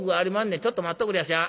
ちょっと待っとくれやしゃ。